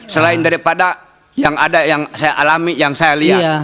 selain daripada yang ada yang saya alami yang saya lihat